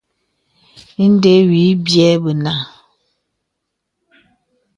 Ìndə̀ wì bìɛ̂ bənà.